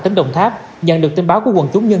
xin được tiếp tục với các bạn nhé